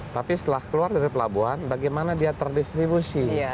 tapi setelah keluar dari pelabuhan bagaimana dia terdistribusi